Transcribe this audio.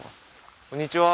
こんにちは。